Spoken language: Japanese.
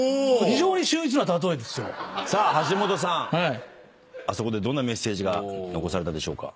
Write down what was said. さあ橋本さんあそこでどんなメッセージが残されたでしょうか。